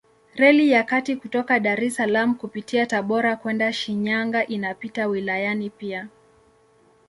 Reli ya kati kutoka Dar es Salaam kupitia Tabora kwenda Shinyanga inapita wilayani pia.